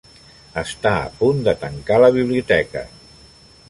Està apunt de tancar la biblioteca.